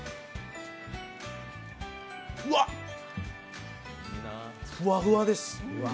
うわっ、ふわふわです。